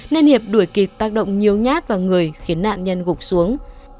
nên hiệp đuổi kịp tác động nhiều nhát vào người khiến nạn nhân gục xuống